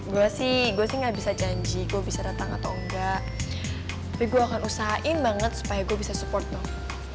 gue sih gue sih gak bisa janji gue bisa datang atau enggak tapi gue akan usahain banget supaya gue bisa support dong